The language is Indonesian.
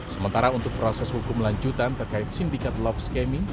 sementara untuk proses hukum lanjutan terkait sindikat love scamming